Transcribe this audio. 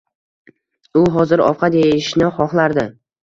U hozir ovqat eyishni xohlardi